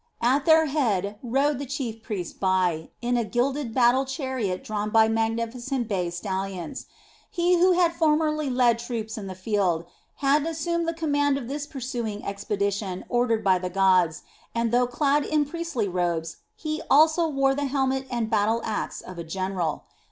At their head rode the chief priest Bai in a gilded battle chariot drawn by magnificent bay stallions. He who had formerly led troops in the field, had assumed the command of this pursuing expedition ordered by the gods and, though clad in priestly robes, he also wore the helmet and battle axe of a general.